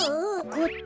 こっち？